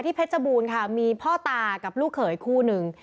เพชรบูรณ์ค่ะมีพ่อตากับลูกเขยคู่หนึ่ง